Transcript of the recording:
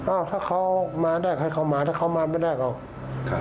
อ้าวถ้าเขามาได้ให้เขามาถ้าเขามาไม่ได้ก็ครับ